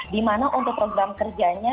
dimana untuk program kerjanya